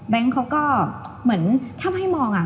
แบงก์เขาก็เหมือนทำให้มองอ่ะ